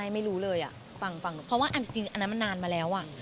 ไม่รู้เลยฟังเพราะว่าอันจริงอันนั้นมันนานมาแล้ว